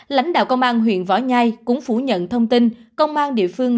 lãnh đạo công an huyện võ nhai cũng phủ nhận thông tin công an địa phương